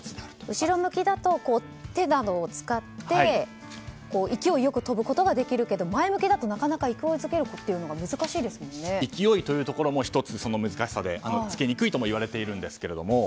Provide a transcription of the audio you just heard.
後ろ向きだと手などを使って勢い良く跳ぶことができるけど前向きだとなかなか、勢いづけるというのが勢いというところも１つ難しさというところでつけにくいとも言われているんですけど。